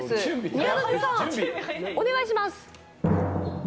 宮舘さん、お願いします。